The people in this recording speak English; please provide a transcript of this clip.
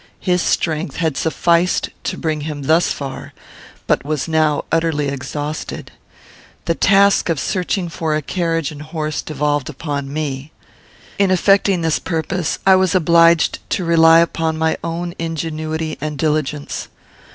His strength had sufficed to bring him thus far, but was now utterly exhausted. The task of searching for a carriage and horse devolved upon me. In effecting this purpose, I was obliged to rely upon my own ingenuity and diligence.